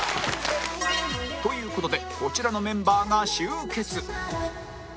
という事でこちらのメンバーが集結